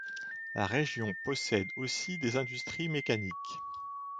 La région possède aussi des industries mécaniques.